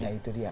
nah itu dia